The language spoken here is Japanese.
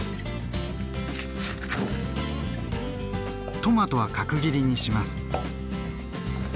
トマトは角切りにします。